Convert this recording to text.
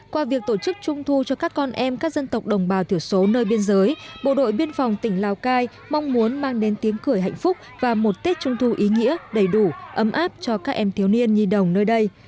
qua việc tổ chức trung thu cho các con em các dân tộc đồng bào thiểu số nơi biên giới bộ đội biên phòng tỉnh lào cai mong muốn mang đến tiếng cười hạnh phúc và một tết trung thu ý nghĩa đầy đủ ấm áp cho các em thiếu niên nhi đồng nơi đây